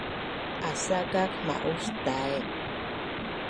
Asakak ma’us tai’